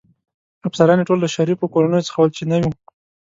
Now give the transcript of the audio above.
افسران يې ټول له شریفو کورنیو څخه ول، چې نه و.